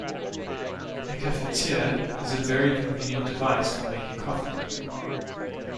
A cafetiere is a very convenient device for making coffee